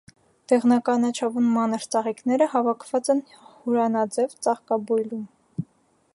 Դեղնականաչավուն մանր ծաղիկները հավաքված են հուրանաձև ծաղկաբույլում։